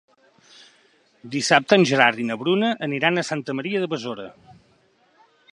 Dissabte en Gerard i na Bruna aniran a Santa Maria de Besora.